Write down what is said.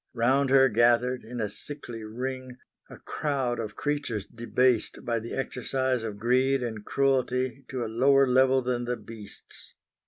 Round her gathered, in a sickly ring, a crowd of creatures debased by the exercise of greed and cruelty to a lower level than the beasts.